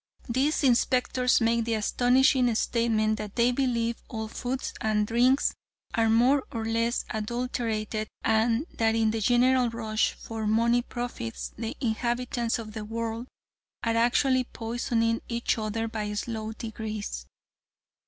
These inspectors make the astonishing statement that they believe all foods and drinks are more or less adulterated and that in the general rush for money profits, the inhabitants of the world are actually poisoning each other by slow degrees."